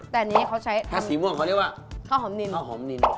แต่นี้เขาใช้แค่สีม่วงเขาเรียกว่าข้าวหอมนิน